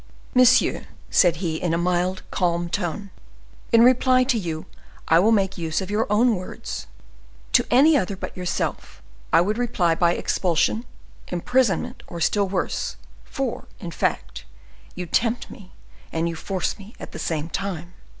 "Monsieur," said he, in a mild, calm tone, "in reply to you, I will make use of your own words. To any other but yourself I would reply by expulsion, imprisonment, or still worse, for, in fact, you tempt me and you force me at the same time.